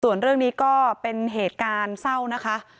ส่วนเรื่องนี้ก็เป็นเหตุการณ์เศร้านะคะ